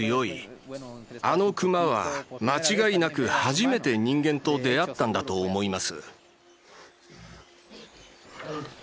あのクマは間違いなく初めて人間と出会ったんだと思います。